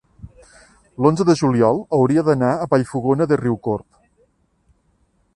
l'onze de juliol hauria d'anar a Vallfogona de Riucorb.